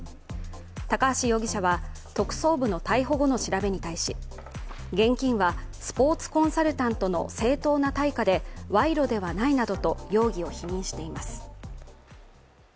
高橋容疑者は、特捜部の逮捕後の調べに対し、現金はスポーツコンサルタントの正当な対価で賄賂ではないなどと容疑を否認しています。